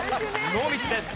ノーミスです。